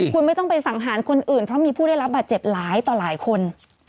คุณไม่ต้องไปสังหารคนอื่นเพราะมีผู้ได้รับบาดเจ็บหลายต่อหลายคน